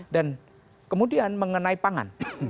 dan kemudian mengenai pangan